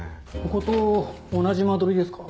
ここと同じ間取りですか？